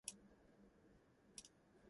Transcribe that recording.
She became a member of "Dance Motion".